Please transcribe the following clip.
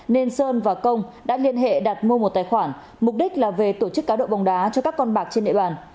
nên sơn và công đã liên hệ đặt mua một tài khoản mục đích là về tổ chức cá độ bóng đá cho các con bạc trên địa bàn